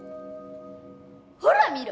ほら見ろ！